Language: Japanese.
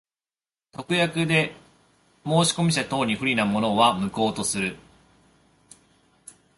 特約で申込者等に不利なものは、無効とする。